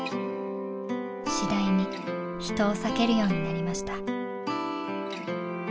次第に人を避けるようになりました。